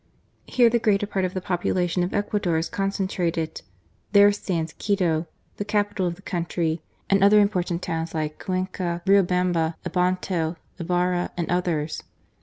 Here the greater part of the popu lation of Ecuador is concentrated. There stands Quito, the capital of the country, and other impor tant towns like Cuenca, Riobamba, Ambato, Ibarra, and others.